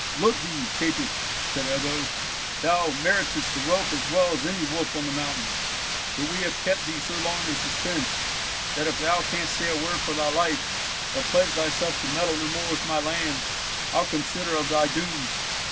"Look thee, caitiff!" said Ebbo; "thou meritest the rope as well as any wolf on the mountain, but we have kept thee so long in suspense, that if thou canst say a word for thy life, or pledge thyself to meddle no more with my lands, I'll consider of thy doom."